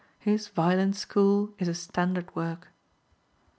His violin school is a standard work.